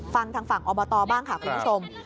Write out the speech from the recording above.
ฟังทางฝั่งอบตบ้างค่ะคุณผู้ชม